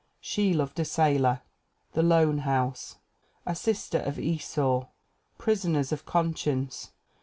She Loved a Sailor. The Lone House. A Sister of Esau. Prisoners of Conscience.